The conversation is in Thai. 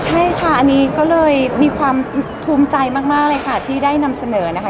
ใช่ค่ะอันนี้ก็เลยมีความภูมิใจมากเลยค่ะที่ได้นำเสนอนะคะ